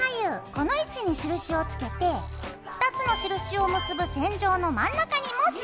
この位置に印をつけて２つの印を結ぶ線上の真ん中にも印。